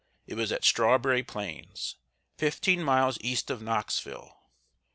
It was at Strawberry Plains, fifteen miles east of Knoxville.